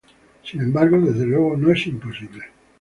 Sin embargo, desde luego no es imposible.